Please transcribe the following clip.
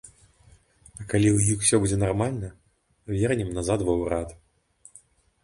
А калі ў іх будзе ўсё нармальна, вернем назад ва ўрад.